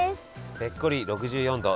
ぺっこり６４度。